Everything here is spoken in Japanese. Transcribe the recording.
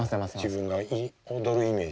自分が踊るイメージ？